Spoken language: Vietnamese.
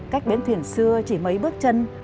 cách bến thuyền xưa chỉ mấy bước chân